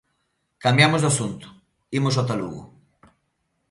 Cambiamos de asunto, imos ata Lugo.